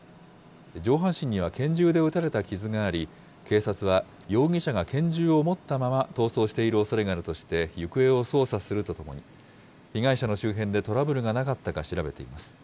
上半身には拳銃で撃たれた傷があり、警察は、容疑者が拳銃を持ったまま逃走しているおそれがあるとして、行方を捜査するとともに、被害者の周辺でトラブルがなかったか調べています。